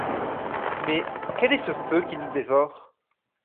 Mais quel est ce feu qui nous dévore ?